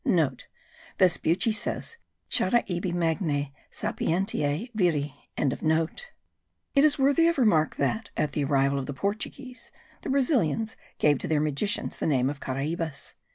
*(* Vespucci says: Charaibi magnae sapientiae viri.) It is worthy of remark that, at the arrival of the Portuguese, the Brazilians gave to their magicians the name of caraibes.